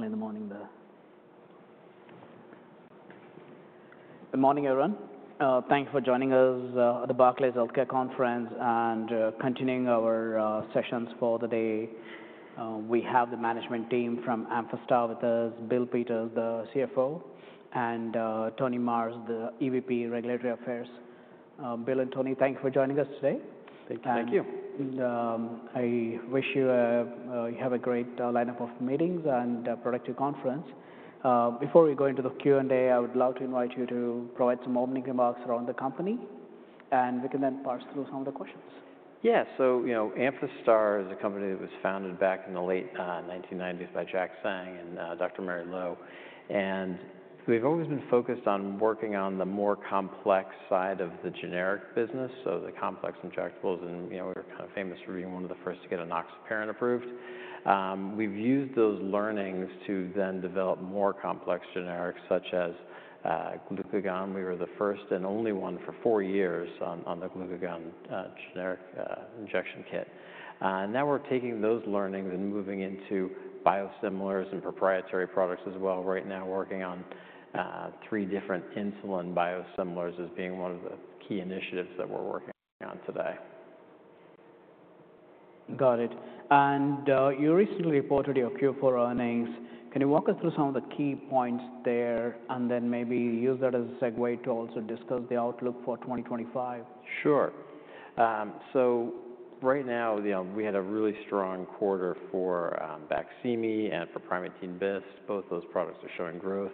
Only in the morning. Good morning, everyone. Thanks for joining us at the Barclays Healthcare Conference and continuing our sessions for the day. We have the management team from Amphastar with us, Bill Peters, the CFO, and Tony Marrs, the EVP Regulatory Affairs. Bill and Tony, thank you for joining us today. Thank you. I wish you have a great lineup of meetings and productive conference. Before we go into the Q&A, I would love to invite you to provide some opening remarks around the company, and we can then pass through some of the questions. Yeah, so, you know, Amphastar is a company that was founded back in the late 1990s by Jack Zhang and Dr. Mary Lowe. And we've always been focused on working on the more complex side of the generic business, so the complex injectables. You know, we were kind of famous for being one of the first to get enoxaparin approved. We've used those learnings to then develop more complex generics, such as glucagon. We were the first and only one for four years on the glucagon generic injection kit. And now we're taking those learnings and moving into biosimilars and proprietary products as well. Right now, working on three different insulin biosimilars as being one of the key initiatives that we're working on today. Got it. You recently reported your Q4 earnings. Can you walk us through some of the key points there and then maybe use that as a segue to also discuss the outlook for 2025? Sure. So right now, you know, we had a really strong quarter for Baqsimi and for Primatene Mist. Both those products are showing growth.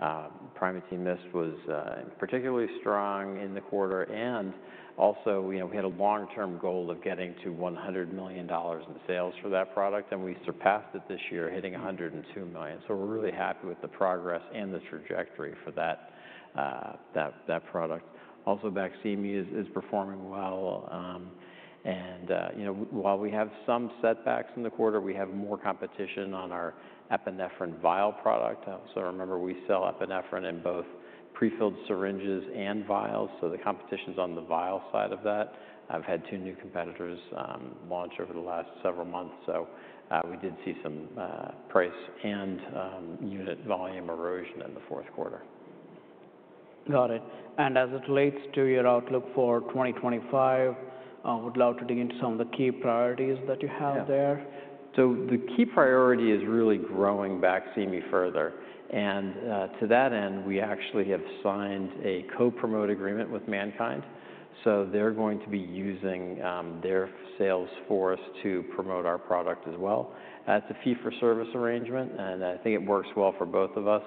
Primatene Mist was particularly strong in the quarter. Also, you know, we had a long-term goal of getting to $100 million in sales for that product, and we surpassed it this year, hitting $102 million. So we're really happy with the progress and the trajectory for that product. Also, Baqsimi is performing well. You know, while we have some setbacks in the quarter, we have more competition on our epinephrine vial product. Remember, we sell epinephrine in both prefilled syringes and vials, so the competition's on the vial side of that. I've had two new competitors launch over the last several months, so we did see some price and unit volume erosion in the fourth quarter. Got it. As it relates to your outlook for 2025, would love to dig into some of the key priorities that you have there. Yeah. The key priority is really growing Baqsimi further. To that end, we actually have signed a co-promote agreement with MannKind. They're going to be using their sales force to promote our product as well. It's a fee-for-service arrangement, and I think it works well for both of us.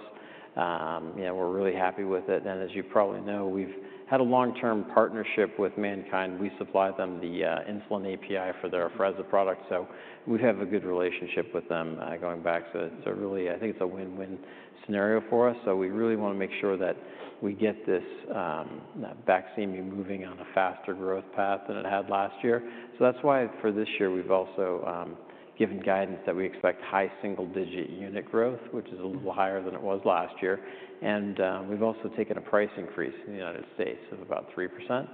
You know, we're really happy with it. As you probably know, we've had a long-term partnership with MannKind. We supply them the insulin API for their Afrezza product, so we have a good relationship with them going back. It's a really, I think it's a win-win scenario for us. We really want to make sure that we get this Baqsimi moving on a faster growth path than it had last year. That's why for this year we've also given guidance that we expect high single-digit unit growth, which is a little higher than it was last year. We've also taken a price increase in the United States of about 3%.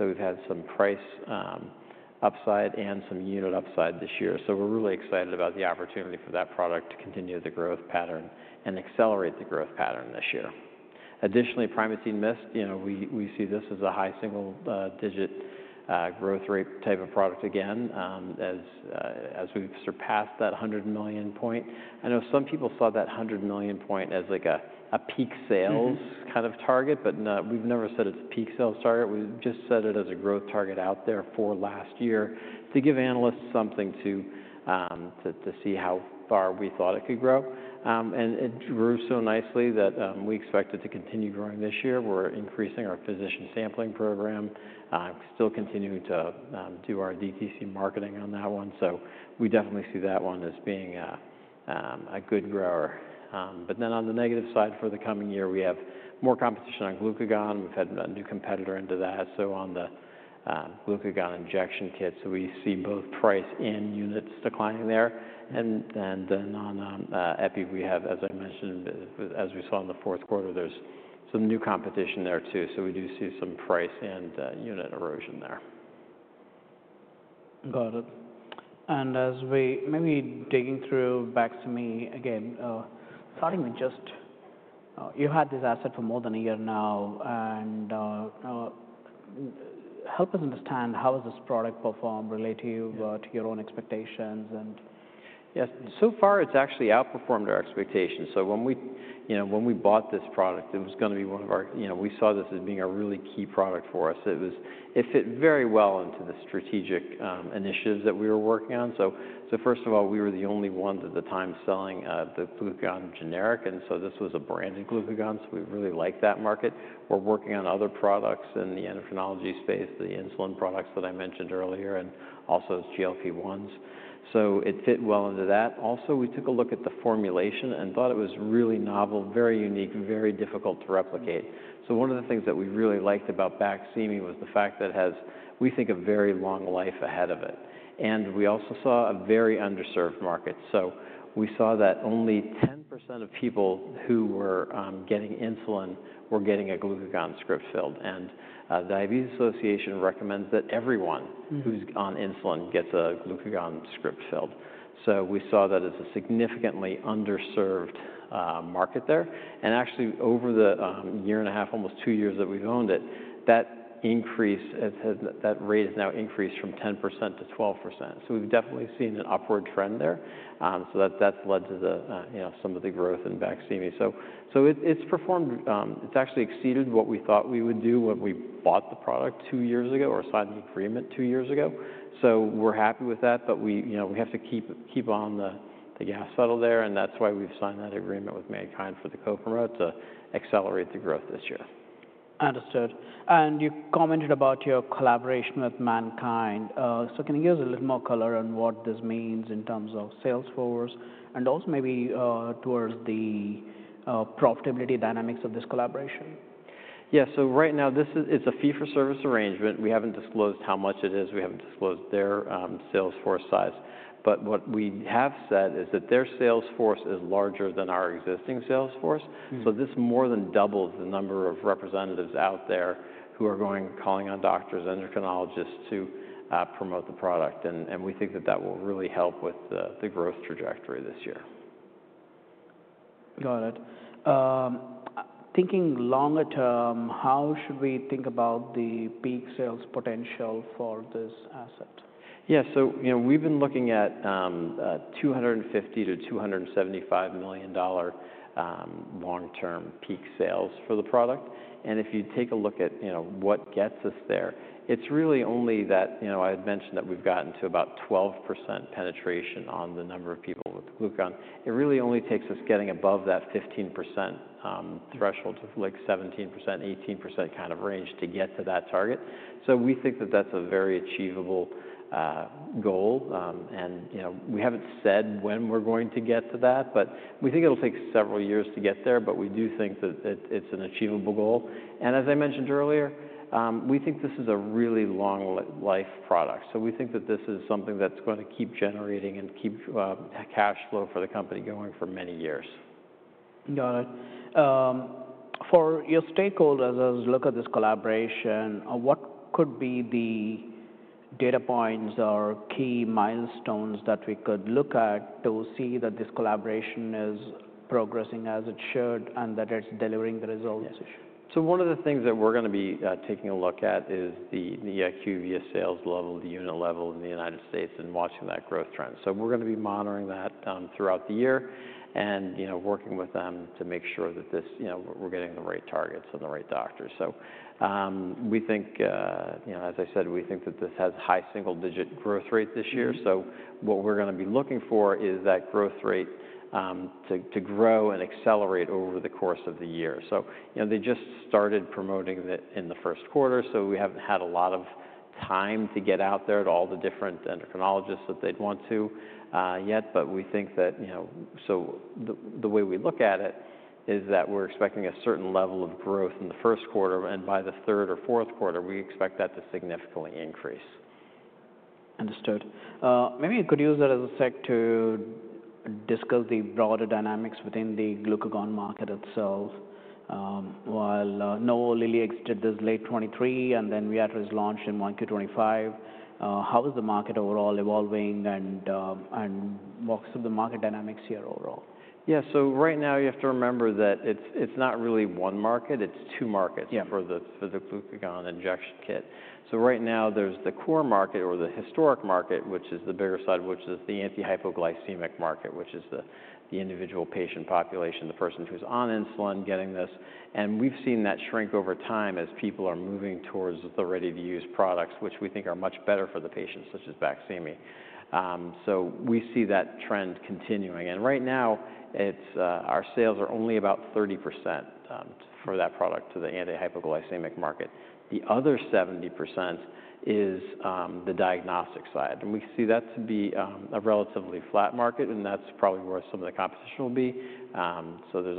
We've had some price upside and some unit upside this year. We're really excited about the opportunity for that product to continue the growth pattern and accelerate the growth pattern this year. Additionally, Primatene Mist, you know, we see this as a high single-digit growth rate type of product again, as we've surpassed that $100 million point. I know some people saw that $100 million point as like a peak sales kind of target, but we've never said it's a peak sales target. We've just set it as a growth target out there for last year to give analysts something to see how far we thought it could grow. It grew so nicely that we expect it to continue growing this year. We're increasing our physician sampling program, still continuing to do our DTC marketing on that one. We definitely see that one as being a good grower. On the negative side for the coming year, we have more competition on glucagon. We've had a new competitor into that. On the glucagon injection kit, we see both price and units declining there. Then on EPI, as I mentioned, as we saw in the fourth quarter, there's some new competition there too. We do see some price and unit erosion there. Got it. As we maybe digging through Baqsimi again, starting with just, you had this asset for more than a year now, and help us understand how has this product performed relative to your own expectations. Yes. So far, it's actually outperformed our expectations. When we, you know, when we bought this product, it was going to be one of our, you know, we saw this as being a really key product for us. It fit very well into the strategic initiatives that we were working on. First of all, we were the only ones at the time selling the glucagon generic, and this was a branded glucagon, so we really liked that market. We're working on other products in the endocrinology space, the insulin products that I mentioned earlier, and also GLP-1s. It fit well into that. Also, we took a look at the formulation and thought it was really novel, very unique, very difficult to replicate. One of the things that we really liked about Baqsimi was the fact that it has, we think, a very long life ahead of it. We also saw a very underserved market. We saw that only 10% of people who were getting insulin were getting a glucagon script filled. The Diabetes Association recommends that everyone who's on insulin gets a glucagon script filled. We saw that it's a significantly underserved market there. Actually, over the year and a half, almost two years that we've owned it, that rate has now increased from 10%-12%. We've definitely seen an upward trend there. That has led to some of the growth in Baqsimi. It has performed, it has actually exceeded what we thought we would do when we bought the product two years ago or signed the agreement two years ago. We are happy with that, but we, you know, we have to keep on the gas pedal there. That is why we have signed that agreement with MannKind for the co-promote to accelerate the growth this year. Understood. You commented about your collaboration with MannKind. Can you give us a little more color on what this means in terms of sales force and also maybe, towards the profitability dynamics of this collaboration? Yeah. Right now, this is a fee-for-service arrangement. We haven't disclosed how much it is. We haven't disclosed their sales force size. What we have said is that their sales force is larger than our existing sales force. This more than doubles the number of representatives out there who are going, calling on doctors, endocrinologists to promote the product. We think that will really help with the growth trajectory this year. Got it. Thinking longer term, how should we think about the peak sales potential for this asset? Yeah. You know, we've been looking at $250 million-$275 million long-term peak sales for the product. If you take a look at what gets us there, it's really only that, you know, I had mentioned that we've gotten to about 12% penetration on the number of people with glucagon. It really only takes us getting above that 15% threshold, like 17%-18% kind of range, to get to that target. We think that that's a very achievable goal. You know, we haven't said when we're going to get to that, but we think it'll take several years to get there. We do think that it's an achievable goal. As I mentioned earlier, we think this is a really long-life product. We think that this is something that's going to keep generating and keep cash flow for the company going for many years. Got it. For your stakeholders as we look at this collaboration, what could be the data points or key milestones that we could look at to see that this collaboration is progressing as it should and that it's delivering the results? Yeah. One of the things that we're going to be taking a look at is the IQVIA sales level, the unit level in the United States and watching that growth trend. We're going to be monitoring that throughout the year and, you know, working with them to make sure that this, you know, we're getting the right targets and the right doctors. We think, you know, as I said, we think that this has high single-digit growth rate this year. What we're going to be looking for is that growth rate to grow and accelerate over the course of the year. You know, they just started promoting it in the first quarter, so we haven't had a lot of time to get out there to all the different endocrinologists that they'd want to, yet. We think that, you know, the way we look at it is that we're expecting a certain level of growth in the first quarter, and by the third or fourth quarter, we expect that to significantly increase. Understood. Maybe you could use that as a sec to discuss the broader dynamics within the glucagon market itself. While, Lilly exited this late 2023 and then Viatris is launched in 1Q25, how is the market overall evolving and what's the market dynamics here overall? Yeah. Right now, you have to remember that it's not really one market. It's two markets. Yeah. For the glucagon injection kit. Right now, there's the core market or the historic market, which is the bigger side, which is the anti-hypoglycemic market, which is the individual patient population, the person who's on insulin getting this. We've seen that shrink over time as people are moving towards the ready-to-use products, which we think are much better for the patients, such as Baqsimi. We see that trend continuing. Right now, our sales are only about 30% for that product to the anti-hypoglycemic market. The other 70% is the diagnostic side. We see that to be a relatively flat market, and that's probably where some of the competition will be. There's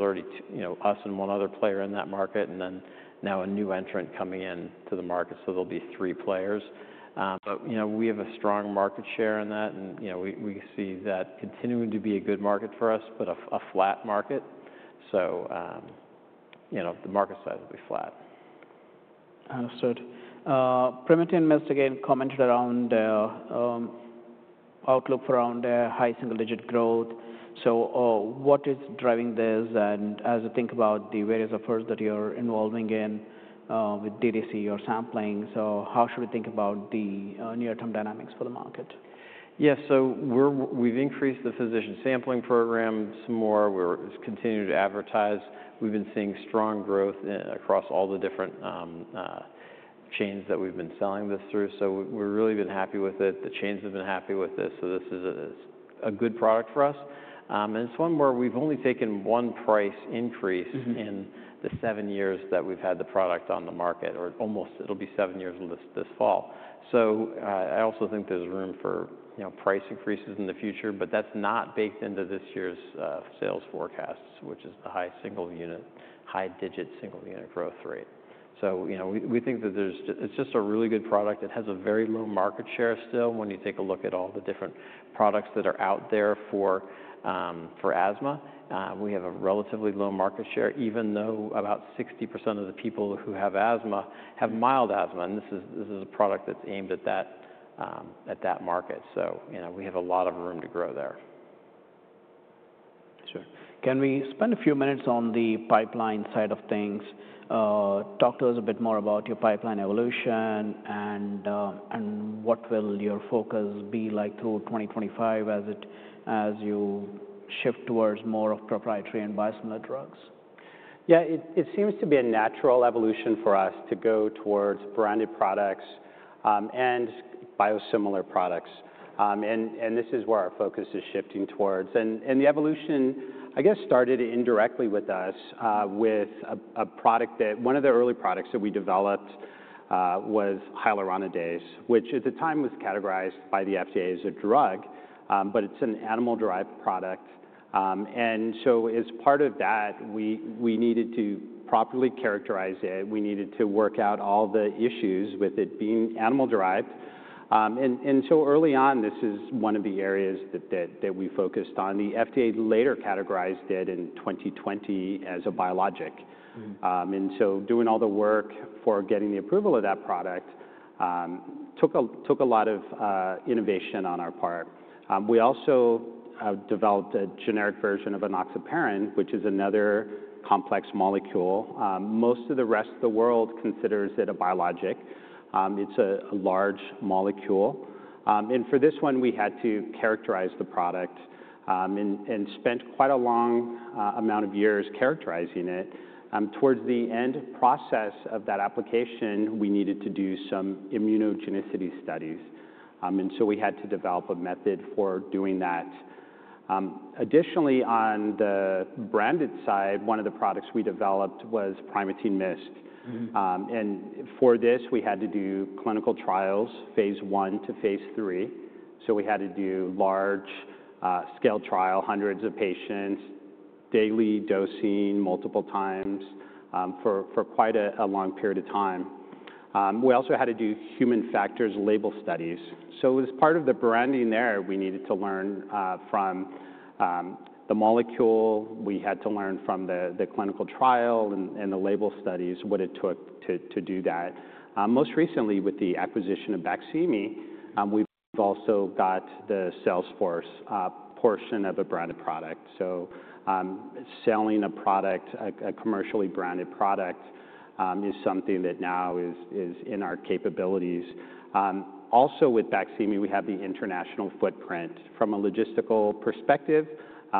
already, you know, us and one other player in that market, and now a new entrant coming into the market. There will be three players. You know, we have a strong market share in that, and, you know, we see that continuing to be a good market for us, but a flat market. You know, the market size will be flat. Understood. Primatene Mist again commented around, outlook for around, high single-digit growth. What is driving this? As you think about the various efforts that you're involving in, with DTC or sampling, how should we think about the near-term dynamics for the market? Yeah. We're, we've increased the physician sampling program some more. We're continuing to advertise. We've been seeing strong growth across all the different chains that we've been selling this through. We've really been happy with it. The chains have been happy with this. This is a good product for us, and it's one where we've only taken one price increase in the seven years that we've had the product on the market, or almost, it'll be seven years this fall. I also think there's room for, you know, price increases in the future, but that's not baked into this year's sales forecasts, which is the high single-digit growth rate. You know, we think that there's just, it's just a really good product. It has a very low market share still. When you take a look at all the different products that are out there for asthma, we have a relatively low market share, even though about 60% of the people who have asthma have mild asthma. This is a product that's aimed at that market. You know, we have a lot of room to grow there. Sure. Can we spend a few minutes on the pipeline side of things? Talk to us a bit more about your pipeline evolution and what will your focus be like through 2025 as you shift towards more of proprietary and biosimilar drugs? Yeah. It seems to be a natural evolution for us to go towards branded products, and biosimilar products. This is where our focus is shifting towards. The evolution, I guess, started indirectly with us, with a product that one of the early products that we developed, was Hyaluronidase, which at the time was categorized by the FDA as a drug, but it's an animal-derived product. As part of that, we needed to properly characterize it. We needed to work out all the issues with it being animal-derived. Early on, this is one of the areas that we focused on. The FDA later categorized it in 2020 as a biologic. Doing all the work for getting the approval of that product took a lot of innovation on our part. We also developed a generic version of Enoxaparin, which is another complex molecule. Most of the rest of the world considers it a biologic. It's a large molecule. For this one, we had to characterize the product, and spent quite a long amount of years characterizing it. Towards the end process of that application, we needed to do some immunogenicity studies. We had to develop a method for doing that. Additionally, on the branded side, one of the products we developed was Primatene Mist. For this, we had to do clinical trials, phase one to phase three. We had to do large-scale trial, hundreds of patients, daily dosing multiple times, for quite a long period of time. We also had to do human factors label studies. As part of the branding there, we needed to learn from the molecule. We had to learn from the clinical trial and the label studies what it took to do that. Most recently, with the acquisition of Baqsimi, we've also got the sales force portion of a branded product. Selling a product, a commercially branded product, is something that now is in our capabilities. Also with Baqsimi, we have the international footprint from a logistical perspective,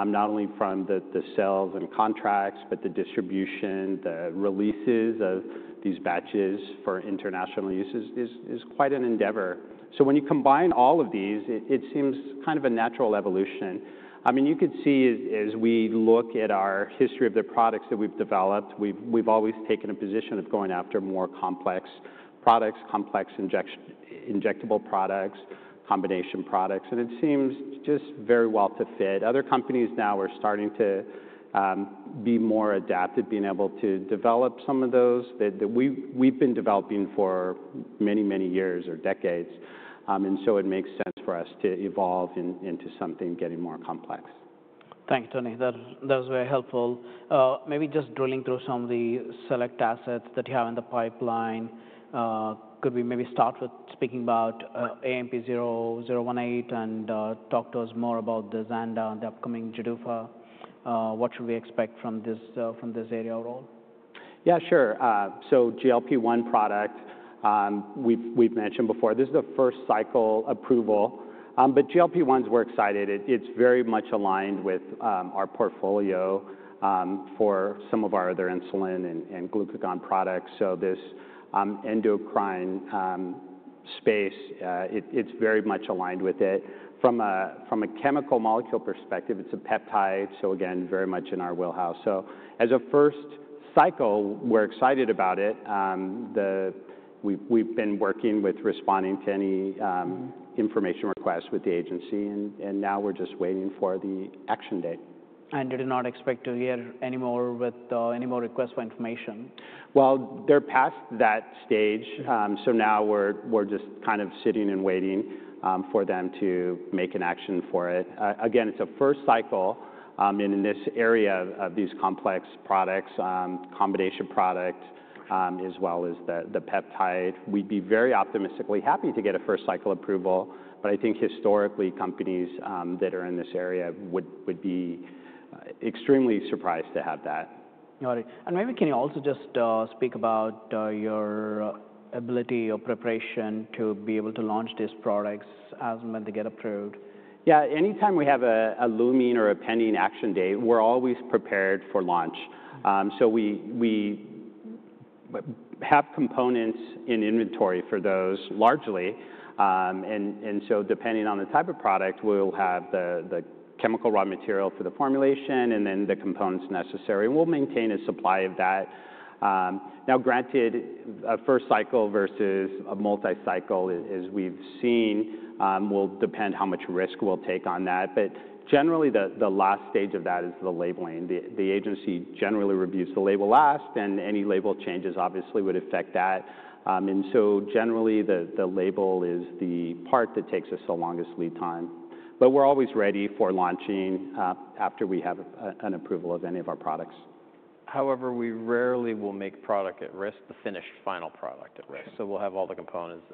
not only from the sales and contracts, but the distribution, the releases of these batches for international use is quite an endeavor. When you combine all of these, it seems kind of a natural evolution. I mean, you could see as we look at our history of the products that we've developed, we've always taken a position of going after more complex products, complex injection, injectable products, combination products. It seems just very well to fit. Other companies now are starting to be more adapted, being able to develop some of those that we, we've been developing for many, many years or decades. It makes sense for us to evolve into something getting more complex. Thank you, Tony. That was, that was very helpful. Maybe just drilling through some of the select assets that you have in the pipeline, could we maybe start with speaking about AMP-018 and talk to us more about the Zhanda and the upcoming PDUFA? What should we expect from this, from this area overall? Yeah, sure. GLP-1 product, we've mentioned before, this is the first cycle approval. GLP-1s, we're excited. It, it's very much aligned with our portfolio, for some of our other insulin and glucagon products. This endocrine space, it, it's very much aligned with it. From a chemical molecule perspective, it's a peptide. Again, very much in our wheelhouse. As a first cycle, we're excited about it. We've been working with responding to any information requests with the agency, and now we're just waiting for the action date. You do not expect to hear any more requests for information? They are past that stage. Now we are just kind of sitting and waiting for them to make an action for it. Again, it is a first cycle in this area of these complex products, combination product, as well as the peptide. We would be very optimistically happy to get a first cycle approval, but I think historically, companies that are in this area would be extremely surprised to have that. Got it. Maybe can you also just speak about your ability or preparation to be able to launch these products as and when they get approved? Yeah. Anytime we have a looming or a pending action date, we're always prepared for launch. We have components in inventory for those largely, and depending on the type of product, we'll have the chemical raw material for the formulation and then the components necessary, and we'll maintain a supply of that. Now granted, a first cycle versus a multi-cycle is, as we've seen, will depend how much risk we'll take on that. Generally, the last stage of that is the labeling. The agency generally reviews the label last, and any label changes obviously would affect that. Generally, the label is the part that takes us the longest lead time. We're always ready for launching after we have an approval of any of our products. However, we rarely will make product at risk, the finished final product at risk. We will have all the components,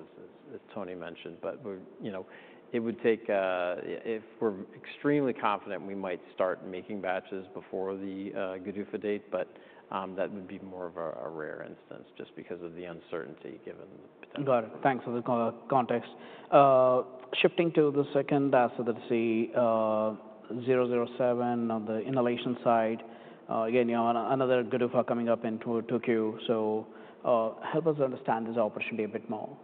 as Tony mentioned, but, you know, it would take, if we are extremely confident, we might start making batches before the PDUFA date, but that would be more of a rare instance just because of the uncertainty given the potential. Got it. Thanks for the context. Shifting to the second asset that we see, 007 on the inhalation side. Again, you know, another Gadufa coming up in Tokyo. Help us understand this opportunity a bit more.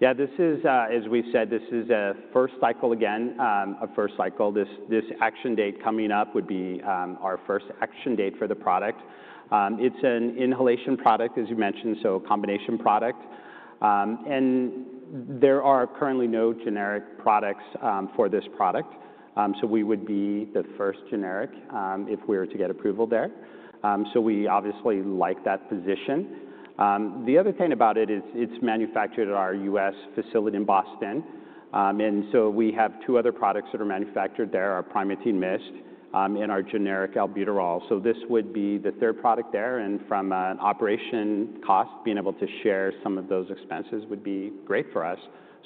Yeah. This is, as we said, this is a first cycle again, a first cycle. This action date coming up would be our first action date for the product. It's an inhalation product, as you mentioned, so a combination product. There are currently no generic products for this product. We would be the first generic if we were to get approval there. We obviously like that position. The other thing about it is it's manufactured at our U.S. facility in Boston. We have two other products that are manufactured there, our Primatene Mist and our generic Albuterol. This would be the third product there. From an operation cost, being able to share some of those expenses would be great for us.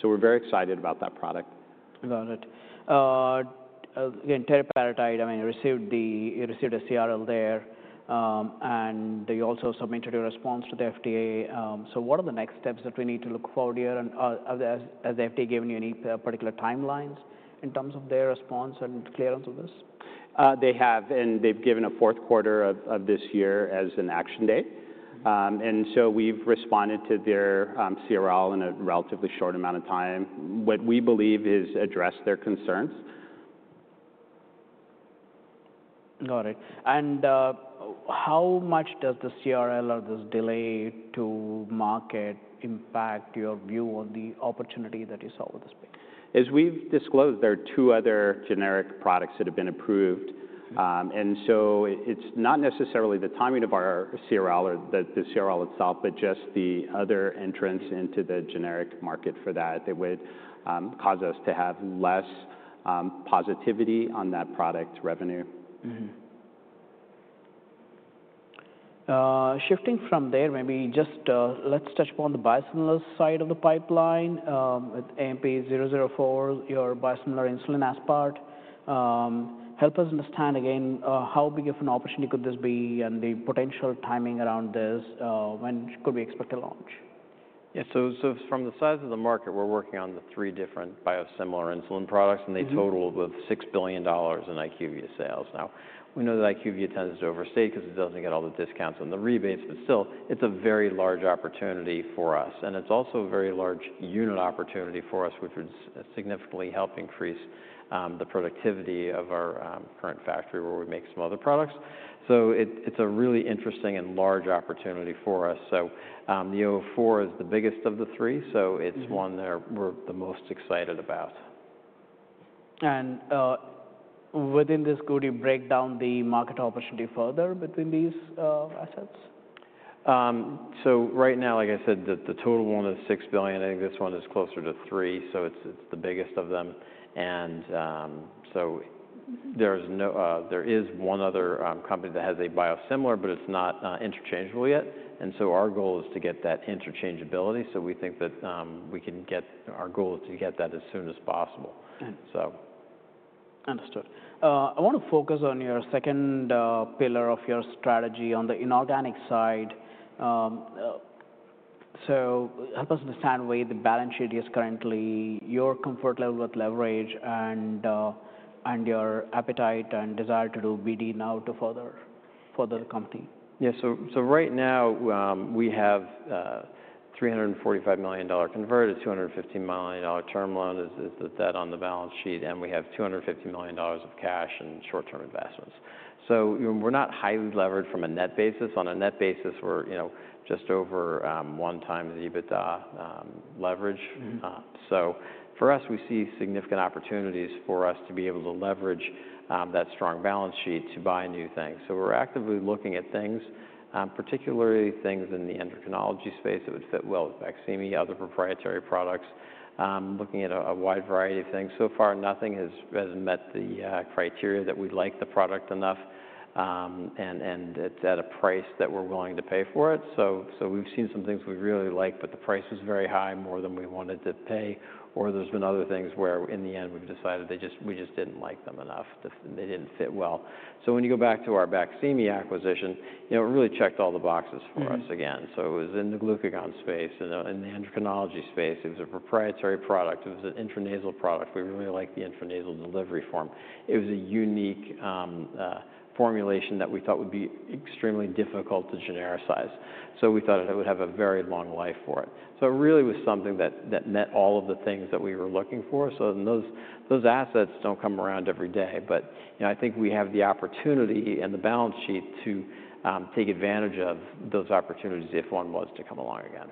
We are very excited about that product. Got it. Again, teriparatide, I mean, you received a CRL there, and you also submitted your response to the FDA. What are the next steps that we need to look forward to here? Has the FDA given you any particular timelines in terms of their response and clearance of this? They have, and they've given a fourth quarter of this year as an action date. And so we've responded to their CRL in a relatively short amount of time, what we believe has addressed their concerns. Got it. How much does the CRL or this delay to market impact your view on the opportunity that you saw with this? As we've disclosed, there are two other generic products that have been approved. It is not necessarily the timing of our CRL or the CRL itself, but just the other entrance into the generic market for that. It would cause us to have less positivity on that product revenue. Shifting from there, maybe just, let's touch upon the biosimilar side of the pipeline. AMP-004, your biosimilar insulin aspart, help us understand again, how big of an opportunity could this be and the potential timing around this, when could we expect a launch? Yeah. From the size of the market, we're working on the three different biosimilar insulin products, and they totaled with $6 billion in IQVIA sales. Now, we know that IQVIA tends to overstate because it doesn't get all the discounts and the rebates, but still, it's a very large opportunity for us. It's also a very large unit opportunity for us, which would significantly help increase the productivity of our current factory where we make some other products. It's a really interesting and large opportunity for us. The 004 is the biggest of the three, so it's one that we're the most excited about. Within this, could you break down the market opportunity further between these assets? Right now, like I said, the total one is $6 billion. I think this one is closer to $3 billion. It's the biggest of them. There is one other company that has a biosimilar, but it's not interchangeable yet. Our goal is to get that interchangeability. We think that we can get our goal is to get that as soon as possible. Understood. I want to focus on your second pillar of your strategy on the inorganic side. Help us understand where the balance sheet is currently, your comfort level with leverage, and your appetite and desire to do BD now to further the company? Yeah. So right now, we have $345 million converted, $250 million term loan is the debt on the balance sheet, and we have $250 million of cash and short-term investments. We're not highly levered from a net basis. On a net basis, we're, you know, just over one time the EBITDA leverage. For us, we see significant opportunities for us to be able to leverage that strong balance sheet to buy new things. We're actively looking at things, particularly things in the endocrinology space that would fit well with Baqsimi, other proprietary products, looking at a wide variety of things. So far, nothing has met the criteria that we like the product enough, and it's at a price that we're willing to pay for it. We've seen some things we really like, but the price was very high, more than we wanted to pay. Or there's been other things where in the end, we've decided we just didn't like them enough. They didn't fit well. When you go back to our Baqsimi acquisition, you know, it really checked all the boxes for us again. It was in the glucagon space and in the endocrinology space. It was a proprietary product. It was an intranasal product. We really liked the intranasal delivery form. It was a unique formulation that we thought would be extremely difficult to genericize. We thought it would have a very long life for it. It really was something that met all of the things that we were looking for. Those assets don't come around every day, but, you know, I think we have the opportunity and the balance sheet to take advantage of those opportunities if one was to come along again.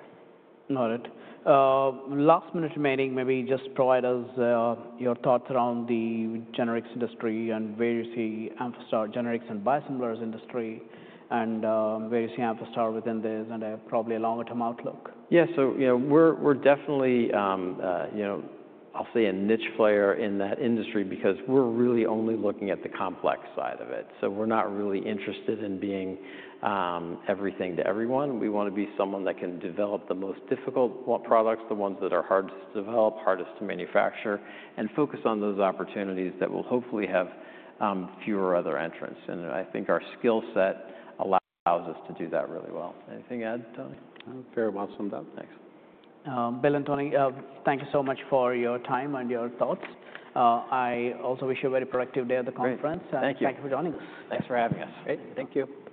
Got it. Last minute remaining, maybe just provide us your thoughts around the generics industry and where you see Amphastar, generics and biosimilars industry, and where you see Amphastar within this and probably a longer-term outlook? Yeah. You know, we're definitely, you know, I'll say a niche player in that industry because we're really only looking at the complex side of it. We're not really interested in being everything to everyone. We want to be someone that can develop the most difficult products, the ones that are hardest to develop, hardest to manufacture, and focus on those opportunities that will hopefully have fewer other entrants. I think our skill set allows us to do that really well. Anything to add, Tony? Very well summed up. Thanks. Bill and Tony, thank you so much for your time and your thoughts. I also wish you a very productive day at the conference. Thank you. Thank you for joining us. Thanks for having us. Great. Thank you.